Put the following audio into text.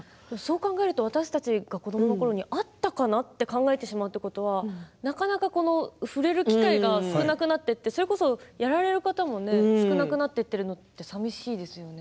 私たちが子どものころにあったかな？と考えてしまうということはなかなか触れる機会が少なくなっていて、それこそやられる方も少なくなっていっているのはさみしいですよね。